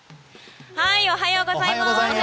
おはようございます。